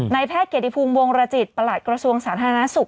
แพทย์เกียรติภูมิวงรจิตประหลัดกระทรวงสาธารณสุข